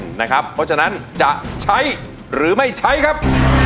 เพราะฉะนั้นจะใช้หรือไม่ใช้ครับ